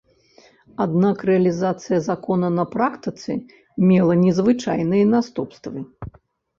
Аднак рэалізацыя закона на практыцы мела незвычайныя наступствы.